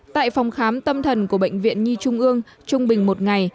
tại phòng khám tâm thần của bệnh viện nhi trung ương trung bình một ngày